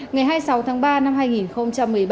ngày hai mươi sáu tháng ba năm hai nghìn một mươi ba